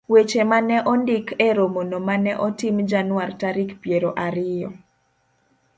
Weche ma ne ondik e romono ma ne otim Januar tarik piero ariyo,